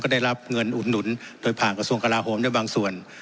ได้รับเงินอุดหนุนโดยผ่านกระทรวงกลาโหมได้บางส่วน